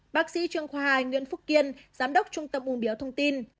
bác sĩ trường khoa hai nguyễn phúc kiên giám đốc trung tâm ung biếu thông tin